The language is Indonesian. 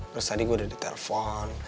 terus tadi gue udah ditelepon